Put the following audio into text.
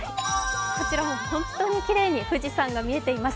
こちらも本当にきれいに富士山が見えています。